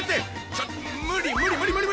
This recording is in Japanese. ちょっ無理無理無理無理！